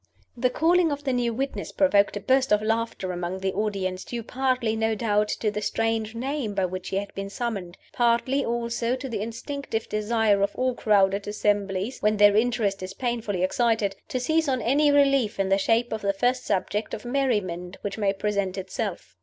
THE calling of the new witness provoked a burst of laughter among the audience due partly, no doubt, to the strange name by which he had been summoned; partly, also, to the instinctive desire of all crowded assemblies, when their interest is painfully excited, to seize on any relief in the shape of the first subject of merriment which may present itself.